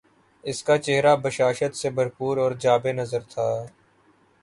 اس کا چہرہ بشاشت سے بھر پور اور جاب نظر تھا